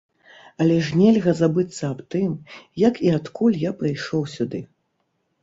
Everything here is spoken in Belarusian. Але ж нельга забыцца аб тым, як і адкуль я прыйшоў сюды.